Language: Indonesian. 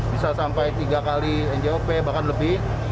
bisa sampai tiga kali njop bahkan lebih